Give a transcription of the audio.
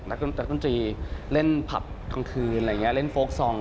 เป็นนักดนตรีเล่นพลับทางคืนอะไรอย่างเงี้ยเล่นโฟล์คซองซ์